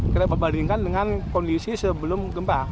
kita perbandingkan dengan kondisi sebelum gempa